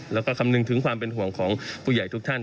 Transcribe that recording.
แล้วก็คำนึงถึงความเป็นห่วงของผู้ใหญ่ทุกท่าน